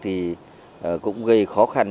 thì cũng gây khó khăn